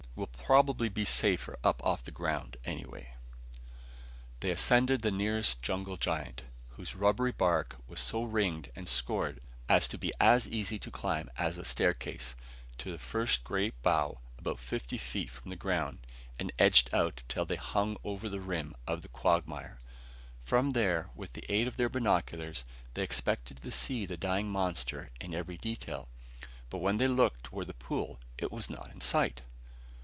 We'll probably be safer up off the ground anyway." They ascended the nearest jungle giant whose rubbery bark was so ringed and scored as to be as easy to climb as a staircase to the first great bough, about fifty feet from the ground, and edged out till they hung over the rim of the quagmire. From there, with the aid of their binoculars, they expected to see the dying monster in every detail. But when they looked toward the pool it was not in sight!